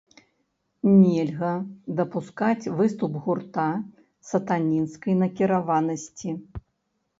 Нельга дапускаць выступ гурта сатанінскай накіраванасці.